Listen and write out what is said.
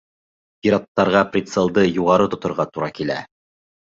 Пираттарға прицелды юғары тоторға тура килә.